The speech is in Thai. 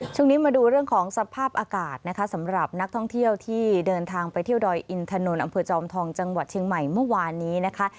ช่วงนี้มาดูเรื่องของสภาพอากาศนะคะสำหรับนักท่องเที่ยวที่เดินทางไปเที่ยวดอยอินถนนอำเภอจอมทองจังหวัดเชียงใหม่เมื่อวานนี้นะคะ